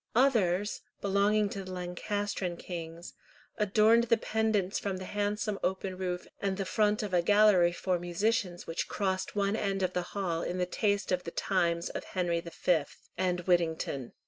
Others, belonging to the Lancastrian kings, adorned the pendants from the handsome open roof and the front of a gallery for musicians which crossed one end of the hall in the taste of the times of Henry V. and Whittington.